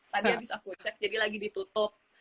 tadi habis aku cek jadi lagi ditutup